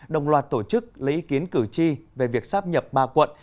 đồng loạt tổ chức lấy ý kiến cử tri về việc sắp nhập ba quận